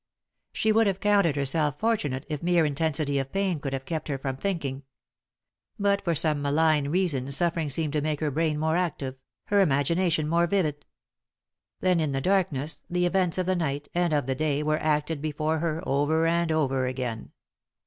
She would have counted herself fortunate if mere intensity of pain could have kept her from thinking. But for some malign reason suffering seemed to make her brain more active; her imagination more vivid. Then, in the darkness, the events of the night, and of the day, were acted before her over and over again.